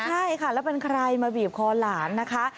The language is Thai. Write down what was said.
ใช่ค่ะแล้วเป็นใครมาบีบคอหลานนะคะ